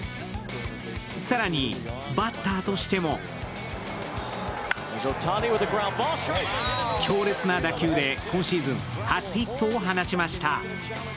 更に、バッターとしても強烈な打球で今シーズン初ヒットを放ちました。